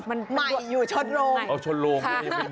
ไม่อยู่ชนโรง